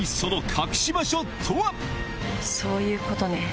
そういうことね。